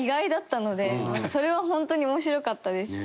それは本当に面白かったですし。